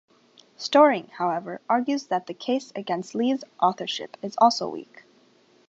Storing, however, argues that the case "against" Lee's authorship is also weak.